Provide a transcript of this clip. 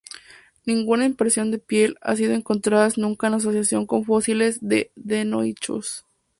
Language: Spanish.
Ninguna impresión de piel han sido encontradas nunca en asociación con fósiles de "Deinonychus".